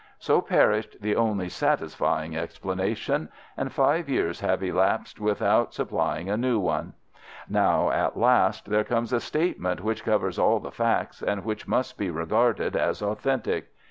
So perished the only satisfying explanation, and five years have elapsed without supplying a new one. Now, at last, there comes a statement which covers all the facts, and which must be regarded as authentic.